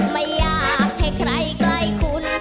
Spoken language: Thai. ไม่อยากให้ใครใกล้คุณ